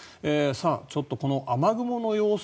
ちょっとこの雨雲の様子